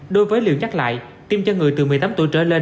đối với liều nhắc lại tiêm cho người từ một mươi tám tuổi trở lên